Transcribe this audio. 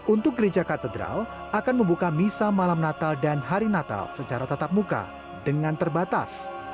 untuk gereja katedral akan membuka misa malam natal dan hari natal secara tatap muka dengan terbatas